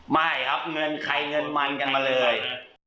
ไม่ครับเงินใครเงินมันกันมาเลย